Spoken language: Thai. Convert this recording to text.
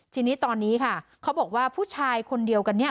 ทีนี้ตอนนี้ค่ะเขาบอกว่าผู้ชายคนเดียวกันเนี่ย